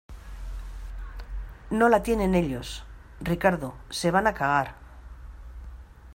no la tienen ellos. Ricardo, se van a cagar .